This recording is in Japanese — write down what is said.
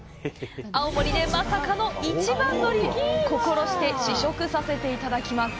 青森でまさかの一番乗り、心して試食させていただきます！